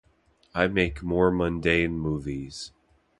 I make more mundane movies.